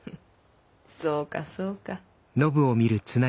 そうかそうか。